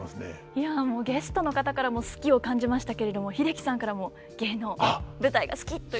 いやもうゲストの方からも「好き」を感じましたけれども英樹さんからも「芸能舞台が好き」という。